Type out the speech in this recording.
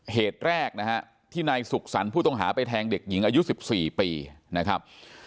เหตุแรกนะฮะที่นายสุขสรรค์ผู้ต้องหาไปแทงเด็กหญิงอายุ๑๔ปีนะครับ